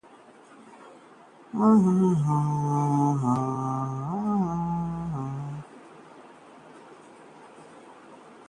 युवक की मौत के बाद हंगामा, पुलिसकर्मी सहित चार गिरफ्तार